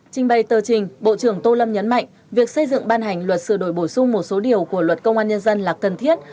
trình bày tờ trình bộ trưởng tô lâm nhấn mạnh việc xây dựng ban hành luật sửa đổi bổ sung một số điều của luật công an nhân dân là cần thiết